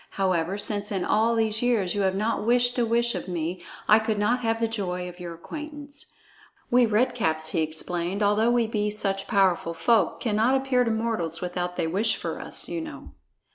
However, since in all these years you have not wished a wish of me, I could not have the joy of your acquaintance. We Red Caps," he explained, "although we be such powerful folk, cannot appear to mortals without they wish for us, you know."